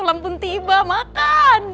lampun tiba makan